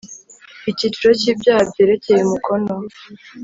icyiciro cy ibyaha byerekeye umukono